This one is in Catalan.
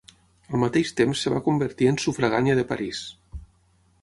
Al mateix temps es va convertir en sufragània de París.